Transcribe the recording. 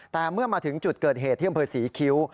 แต่เมื่อมาถึงจุดเกิดเหตุที่อำเภอศรีคิ้ว